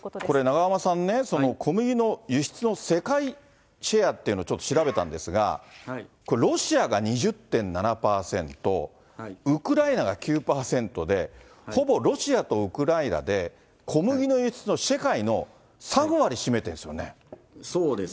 これ、永濱さんね、小麦の輸出の世界シェアっていうの、ちょっと調べたんですが、これ、ロシアが２０．７％、ウクライナが９％で、ほぼロシアとウクライナで、小麦の輸出の世界の３割占めてるんですよね。